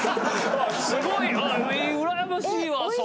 すごいうらやましいわそんな。